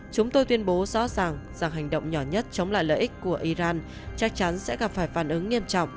chúng tôi tuyên bố rõ ràng rằng hành động nhỏ nhất chống lại lợi ích của iran chắc chắn sẽ gặp phải phản ứng nghiêm trọng